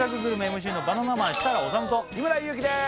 ＭＣのバナナマン設楽統と日村勇紀です